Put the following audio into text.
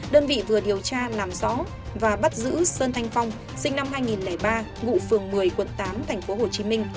đơn vị vừa điều tra làm rõ và bắt giữ sơn thanh phong sinh năm hai nghìn ba ngụ phường một mươi quận tám tp hcm